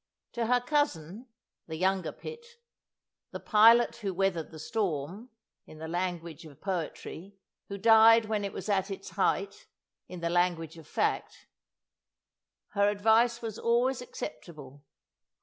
To her cousin, the younger Pitt "the pilot who weathered the storm," in the language of poetry; who died when it was at its height, in the language of fact her advice was always acceptable.